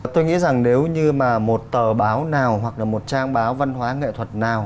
tôi nghĩ rằng nếu như mà một tờ báo nào hoặc là một trang báo văn hóa nghệ thuật nào